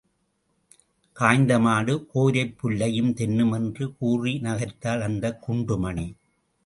காய்ந்த மாடு கோரைப் புல்லையும் தின்னும் என்று கூறி நகைத்தாள் அந்தக் குண்டுமணி.